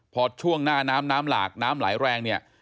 พอช่วงหน้าน้ำน้ำหลากน้ำไหลแรงเนี่ย